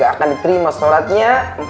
gak akan diterima sholatnya